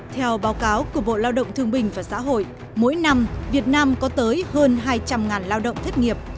theo báo cáo của bộ lao động thương bình và xã hội mỗi năm việt nam có tới hơn hai trăm linh lao động thất nghiệp